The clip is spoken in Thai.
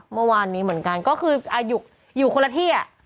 เมื่อวานนี้เหมือนกันก็คืออยู่คนละที่อ่ะ